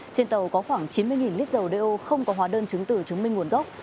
trên tàu có khoảng chín mươi lít dầu đeo không có hóa đơn chứng tử chứng minh nguồn gốc